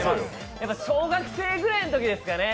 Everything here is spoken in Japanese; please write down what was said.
小学生ぐらいのときですかね。